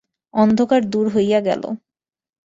অন্ধকার দূর হইয়া গেল।